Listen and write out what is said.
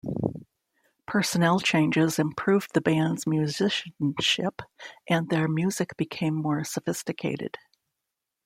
Personnel changes improved the band's musicianship and their music became more sophisticated.